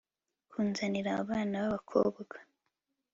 kunzanira abana babakobwa